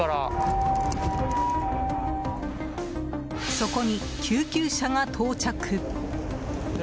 そこに救急車が到着。